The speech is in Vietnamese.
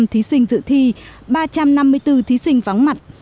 ba trăm năm mươi bốn thí sinh dự thi và ba trăm năm mươi bốn thí sinh dự thi